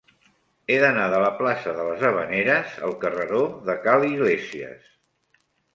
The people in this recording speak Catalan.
He d'anar de la plaça de les Havaneres al carreró de Ca l'Iglésies.